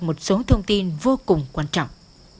một số thông tin vô cùng quan trọng